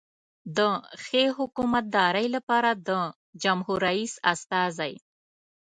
د ښې حکومتدارۍ لپاره د جمهور رئیس استازی.